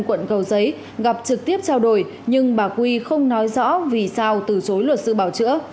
quận cầu giấy gặp trực tiếp trao đổi nhưng bà quy không nói rõ vì sao từ chối luật sư bảo chữa